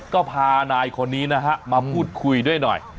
ก็พานายคนนี้นะฮะมาพูดคุยด้วยหน่อย